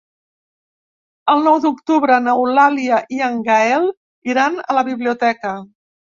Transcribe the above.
El nou d'octubre n'Eulàlia i en Gaël iran a la biblioteca.